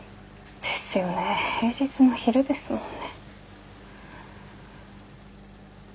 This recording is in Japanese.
ですよね平日の昼ですもんね。